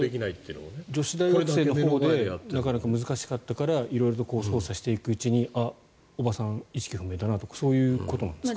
女子大学生のほうでなかなか難しかったから色々と捜査していくうちに叔母さん、意識不明だなとかそういうことなんですかね。